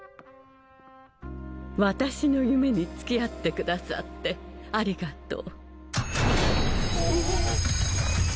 私の夢に付き合ってくださってありがとう。